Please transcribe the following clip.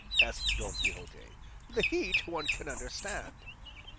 asked Don Quixote; "the heat one can understand."